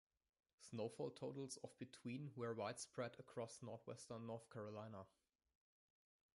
Snowfall totals of between were widespread across northwestern North Carolina.